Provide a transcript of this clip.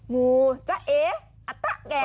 งูจ๊ะเอออัตะแก่